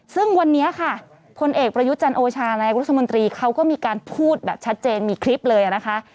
ซึ่งวันนี้ค่ะพลเอกประยุจันโอชานายรัฐมนตรีเขาก็มีการพูดแบบชัดเจนมีคลิปเลยนะคะ